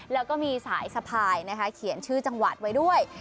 แล้วก็มีสายสะพายนะคะเขียนชื่อจังหวัดไว้ด้วย